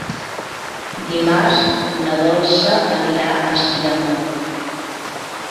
Dimarts na Dolça anirà a Sidamon.